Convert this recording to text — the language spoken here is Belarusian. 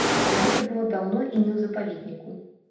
Але гэта было даўно і не ў запаведніку.